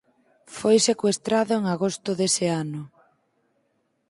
Foi secuestrado en agosto dese ano.